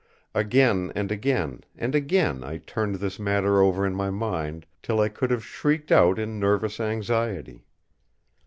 Again, and again, and again I turned this matter over in my mind, till I could have shrieked out in nervous anxiety.